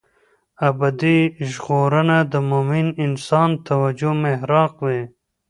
ابدي ژغورنه د مومن انسان توجه محراق وي.